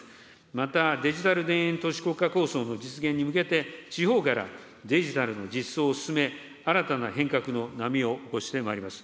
また、デジタル田園都市国家構想の実現に向けて、地方からデジタルの実装を進め、新たな変革の波をしてまいります。